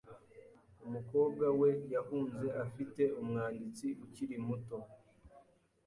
Umukobwa we yahunze afite umwanditsi ukiri muto .